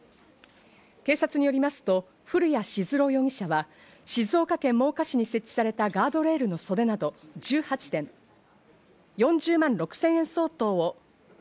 警察によりますと古谷温朗容疑者は静岡県真岡市に設置されたガードレールの袖など１８点、４０万６０００円相当。